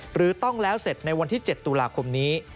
หรือต้องแล้วเสร็จในวันที่๗ตุลาคมนี้